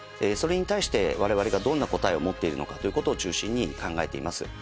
それに対して我々がどんな答えを持っているのかという事を中心に考えています。